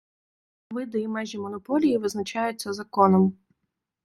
Види і межі монополії визначаються законом.